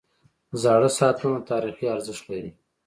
• زاړه ساعتونه تاریخي ارزښت لري.